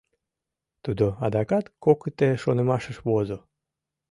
Тудо адакат кокыте шонымашыш возо.